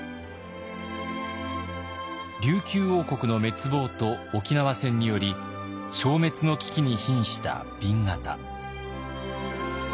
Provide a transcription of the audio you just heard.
琉球王国の滅亡と沖縄戦により消滅の危機にひんした紅型。